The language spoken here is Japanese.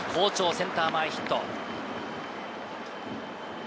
センター前ヒット。